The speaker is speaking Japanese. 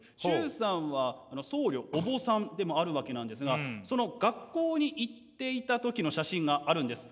崇さんは僧侶お坊さんでもあるわけなんですがその学校に行っていた時の写真があるんです。